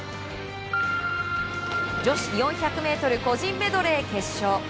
女子４００ｍ個人メドレー決勝。